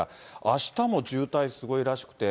あしたも渋滞すごいらしくて。